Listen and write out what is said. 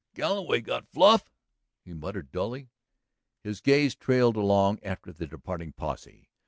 "Galloway got Fluff!" he muttered dully. His gaze trailed along after the departing posse.